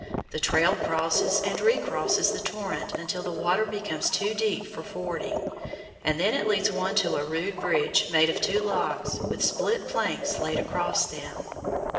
The trail crosses and recrosses the torrent until the water becomes too deep for fording, and then it leads one to a rude bridge made of two logs with split planks laid across them.